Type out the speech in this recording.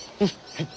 はい。